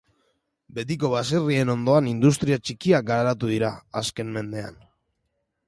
Betiko baserrien ondoan, industria txikiak garatu dira azken mendean.